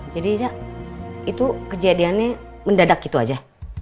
jadi ya itu kejadiannya mendadak gitu aja